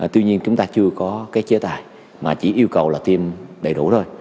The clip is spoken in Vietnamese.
tuy nhiên chúng ta chưa có cái chế tài mà chỉ yêu cầu là tiêm đầy đủ thôi